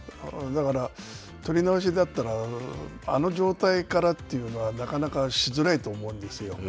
だから、取り直しだったらあの状態からというのはなかなかしづらいと思うんですよ。